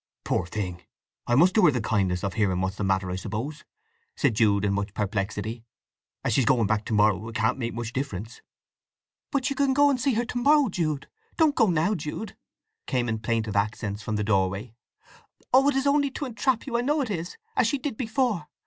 "Poor thing! I must do her the kindness of hearing what's the matter, I suppose," said Jude in much perplexity. "As she's going back to morrow it can't make much difference." "But you can go and see her to morrow, Jude! Don't go now, Jude!" came in plaintive accents from the doorway. "Oh, it is only to entrap you, I know it is, as she did before!